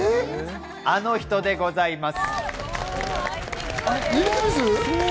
あの人でございます。